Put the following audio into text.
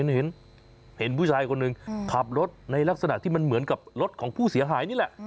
เห็นผู้ชายคนหนึ่งขับรถในลักษณะที่มันเหมือนกับรถของผู้เสียหายนี่แหละ